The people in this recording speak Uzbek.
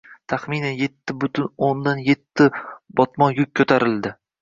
taxminan yetti butun o'nda yetti botmon yuk ko‘tarildi.